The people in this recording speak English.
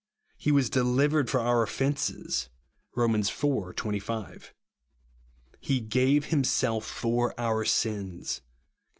He was delivered for our offences," (Rom. iv. 25). " He gave himself for our sins," (Gal.